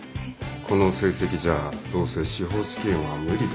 この成績じゃどうせ司法試験は無理だ。